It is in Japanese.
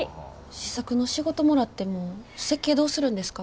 試作の仕事もらっても設計どうするんですか？